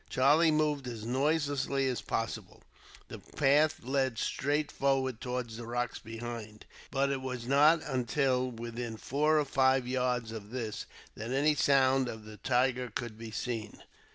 Charlie moved as noiselessly as possible. The path led straight forward, towards the rocks behind, but it was not until within four or five yards of this that any sign of the tiger could be seen.